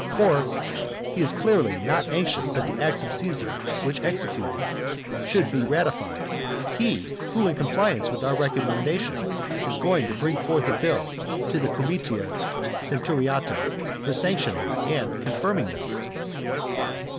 For he is clearly not anxious that the acts which Caesar executed should be ratified, he, who in compliance with our recommendation is going to bring forward a bill at the comitia centuriata for sanctioning and confirming them.